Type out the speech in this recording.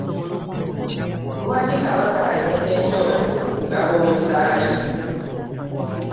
Lwaki kabaka alemedde nnyo ku kugaba omusaayi?